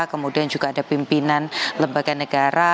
kemudian juga ada pimpinan lembaga negara